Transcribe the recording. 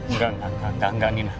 enggak enggak enggak enggak nina